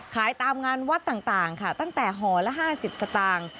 ขายตามงานวัดต่างค่ะตั้งแต่ห่อละ๕๐สตางค์